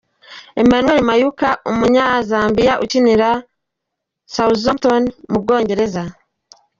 Emmanuel Mayuka, umunyazambiya ukinira Southampton mu Bwongereza.